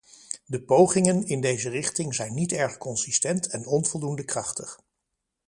De pogingen in deze richting zijn niet erg consistent en onvoldoende krachtig.